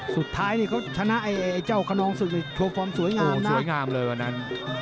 สุดท้ายนี่เขาชนะไอ้เจ้าขนองศึกนี่โชว์ฟอร์มสวยงามโอ้โหสวยงามเลยวันนั้น